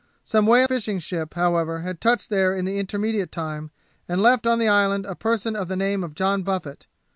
Some whale fishing ship, however, had touched there in the intermediate time, and left on the island a person of the name of John Buffet.